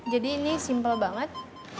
jadi ini simple banget